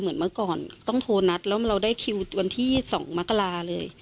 เหมือนเมื่อก่อนต้องโทรนัดแล้วเราได้คิววันที่๒มกราเลย